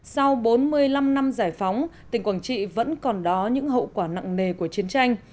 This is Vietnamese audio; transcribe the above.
sau bốn mươi năm năm giải phóng tỉnh quảng trị vẫn còn đó những hậu quả nặng nề của chiến tranh